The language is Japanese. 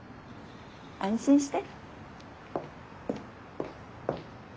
安心して。